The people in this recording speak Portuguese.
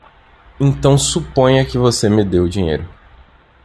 Então suponha que você me dê o dinheiro.